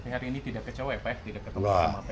hari ini tidak kecewa ya pak ya tidak ketemu sama pak